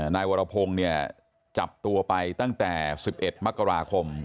นายวรพงศ์เนี่ยจับตัวไปตั้งแต่๑๑มกราคม